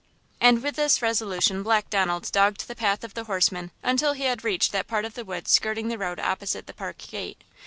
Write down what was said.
And with this resolution Black Donald dogged the path of the horsemen until he had reached that part of the woods skirting the road opposite the park gate.